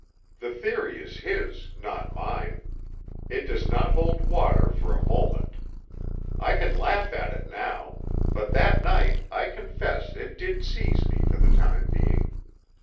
The theory is his, not mine. It does not hold water for a moment. I can laugh at it now, but that night I confess it did seize me for the time being.